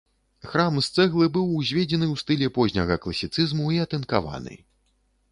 Храм з цэглы быў узведзены ў стылі позняга класіцызму і атынкаваны.